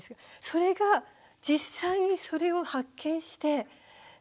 それが実際にそれを発見してでそれをさ